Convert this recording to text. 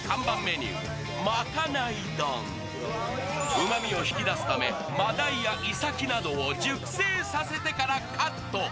うまみを引き出すためマダイやイサキなどを熟成させてからカット。